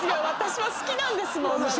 私は好きなんですもん。